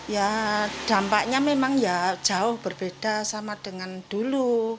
ya dampaknya memang ya jauh berbeda sama dengan dulu